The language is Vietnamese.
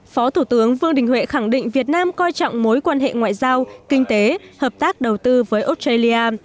phó thủ tướng vương đình huệ khẳng định việt nam coi trọng mối quan hệ ngoại giao kinh tế hợp tác đầu tư với australia